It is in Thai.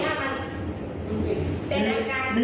แต่แบบนี้